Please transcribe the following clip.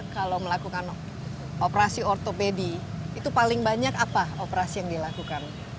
kalau melakukan operasi ortopedi itu paling banyak apa operasi yang dilakukan